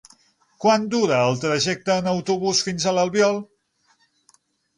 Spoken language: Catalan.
Quant dura el trajecte en autobús fins a l'Albiol?